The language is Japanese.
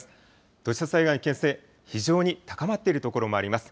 土砂災害の危険性、非常に高まっている所もあります。